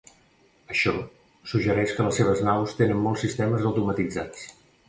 Això suggereix que les seves naus tenen molts sistemes automatitzats.